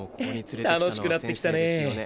楽しくなってきたねぇ。